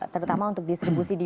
terutama untuk distribusi di